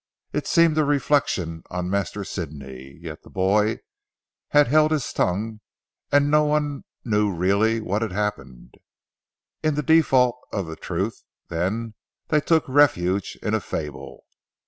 It seemed a reflection on Master Sidney. Yet the boy had held his tongue and no one knew really what had happened. In default of the truth then, they took refuge in a fable.